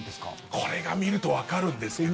これが見るとわかるんですけど。